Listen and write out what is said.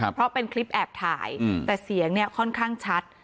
เพราะเป็นคลิปแอบถ่ายแต่เสียงเนี่ยค่อนข้างชัด